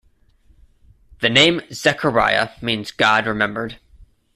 The name "Zechariah" means "God remembered.